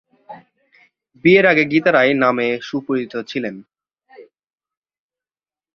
বিয়ের আগে গীতা রায় নামে সুপরিচিত ছিলেন।